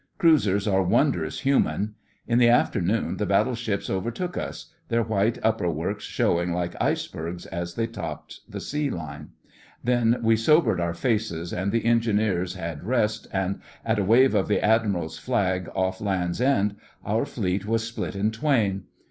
Cruisers are wondrous human. In the afternoon the battleships overtook us, their white upperworks showing like icebergs as they topped the sea line. Then we sobered our faces, and the engineers had rest, and at a wave of the Admiral's flag off Land's End our Fleet was split in twain.